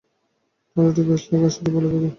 ঠাণ্ডাটিই বেশ লাগে এবং শরীর ভাল থাকে।